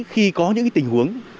khi có những tình huống